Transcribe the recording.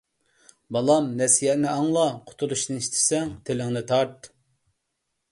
بالام نەسىھەتنى ئاڭلا، قۇتۇلۇشنى ئىستىسەڭ، تىلىڭنى تارت.